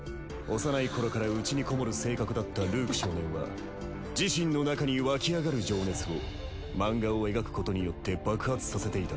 幼い頃から内にこもる性格だったルーク少年は自身の中に湧き上がる情熱を漫画を描くことによって爆発させていた。